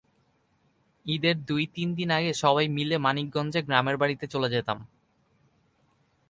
ঈদের দুই তিনি দিন আগে সবাই মিলে মানিকগঞ্জে গ্রামের বাড়িতে চলে যেতাম।